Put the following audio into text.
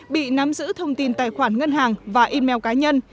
bị nắm giữ thông tin tài khoản ngân hàng và email cá nhân